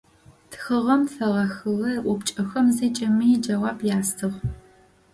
Тхыгъэм фэгъэхьыгъэ упчӏэхэм зэкӏэми джэуап ястыгъ.